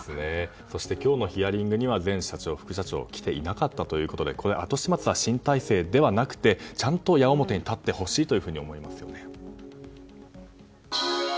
そして、今日のヒアリングには前社長、副社長が来ていなかったということで後始末は新体制ではなくてちゃんと矢面に立ってほしいと思います。